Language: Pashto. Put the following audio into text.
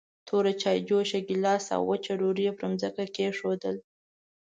توره چايجوشه، ګيلاس او وچه ډوډۍ يې پر ځمکه کېښودل.